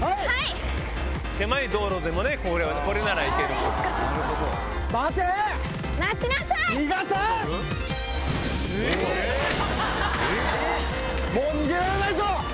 もう逃げられないぞ！